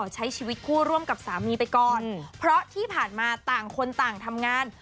ใช้ชีวิตคู่ร่วมกับสามีไปก่อนเพราะที่ผ่านมาต่างคนต่างทำงาน